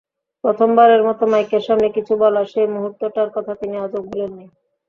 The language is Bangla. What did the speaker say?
প্রথমবারের মতো মাইকের সামনে কিছু বলার সেই মুহূর্তটার কথা তিনি আজও ভোলেননি।